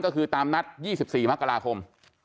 ก็คือตามนัด๒๔มกราคม